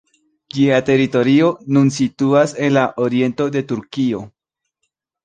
Ĝia teritorio nun situas en la oriento de Turkio.